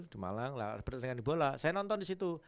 di malang lah pertandingan bola saya nonton disitu